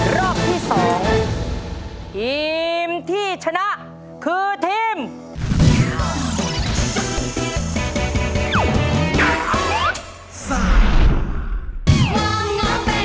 รอบที่๒ทีมที่ชนะคือทีม